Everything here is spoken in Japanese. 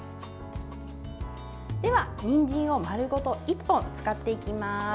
では、にんじんを丸ごと１本使っていきます。